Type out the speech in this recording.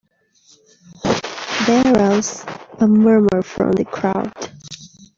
There was a murmur from the crowd.